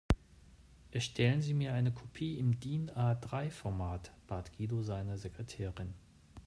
Erstellen Sie mir eine Kopie im DIN-A-drei Format, bat Guido seine Sekretärin.